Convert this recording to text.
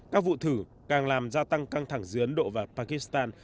các vụ thử càng làm gia tăng căng thẳng giữa ấn độ và pakistan